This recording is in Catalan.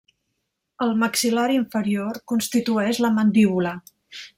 El maxil·lar inferior constitueix la mandíbula.